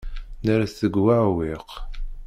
Nerra-t deg uɛewwiq.